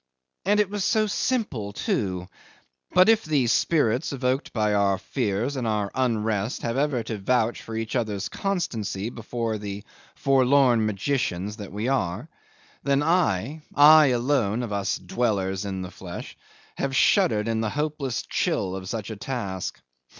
And it was so simple too; but if the spirits evoked by our fears and our unrest have ever to vouch for each other's constancy before the forlorn magicians that we are, then I I alone of us dwellers in the flesh have shuddered in the hopeless chill of such a task.